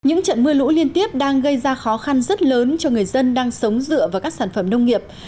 những trận mưa lũ liên tiếp đang gây ra khó khăn rất lớn cho người dân đang sống dựa vào các sản phẩm nông nghiệp